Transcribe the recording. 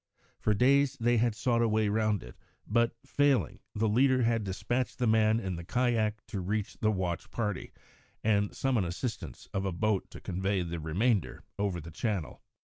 For days they had sought a way round it, but, failing, the leader had despatched the man in the kayak to reach the watch party, and summon assistance of a boat to convey the remainder over the channel.